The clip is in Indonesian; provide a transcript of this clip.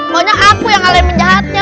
pokoknya aku yang kalahin penjahatnya